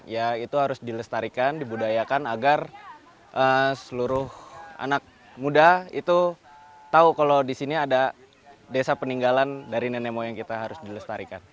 ya itu harus dilestarikan dibudayakan agar seluruh anak muda itu tahu kalau di sini ada desa peninggalan dari nenek moyang kita harus dilestarikan